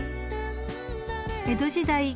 ［江戸時代